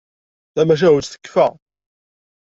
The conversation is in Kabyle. Tamacahut tekfa.